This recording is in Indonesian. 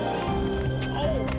apa kaku kaku terbang